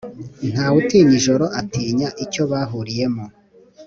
Ntawe utinya ijoro, atinya icyo bahuriyemo.